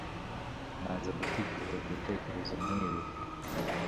Nanze guta igihe kubitekerezo nkibi.